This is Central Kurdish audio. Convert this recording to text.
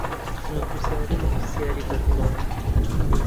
خزمەتگوزارى پرسیارى بەربڵاو